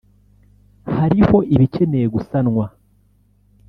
hariho ibikeneye gusanwa